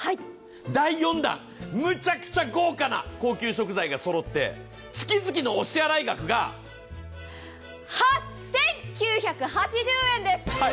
第４弾、むちゃくちゃ豪華な高級食材がそろって月々のお支払い額が８９８０円です。